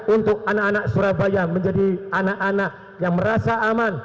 untuk anak anak surabaya menjadi anak anak yang merasa aman